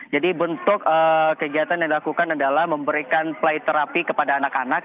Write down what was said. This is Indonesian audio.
jadi bentuk kegiatan yang dilakukan adalah memberikan play terapi kepada anak anak